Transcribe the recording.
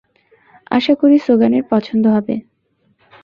আশা করি সোগানের পছন্দ হবে।